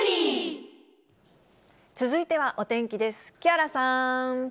続いてはお天気です。